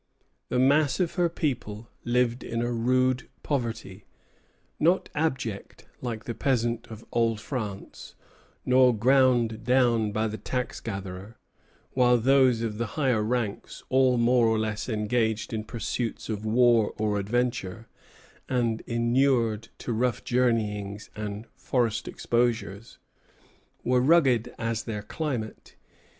The mass of her people lived in a rude poverty, not abject, like the peasant of old France, nor ground down by the tax gatherer; while those of the higher ranks all more or less engaged in pursuits of war or adventure, and inured to rough journeyings and forest exposures were rugged as their climate.